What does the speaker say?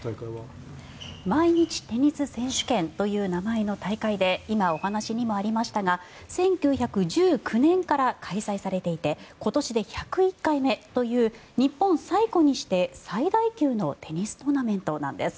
毎日テニス選手権という名前の大会で今、お話にもありましたが１９１９年から開催されていて今年で１０１回目という日本最古にして最大級のテニストーナメントなんです。